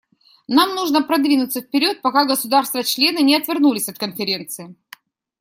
Нам нужно продвинуться вперед, пока государства-члены не отвернулись от Конференции.